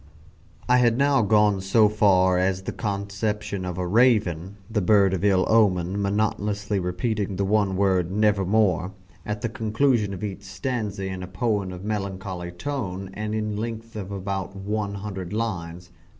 I had now gone so far as the conception of a Raven, the bird of ill omen, monotonously repeating the one word "Nevermore" at the conclusion of each stanza in a poem of melancholy tone, and in length about one hundred lines.